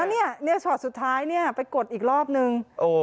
มีนะชอตสุดท้ายไปกดอีกรอบหนึ่ง